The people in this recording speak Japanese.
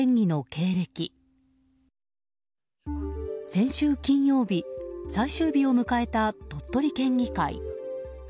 先週金曜日、最終日を迎えた鳥取県議会。